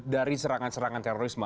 dari serangan serangan terorisme